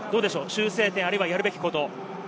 修正点、あるいはやるべきこと。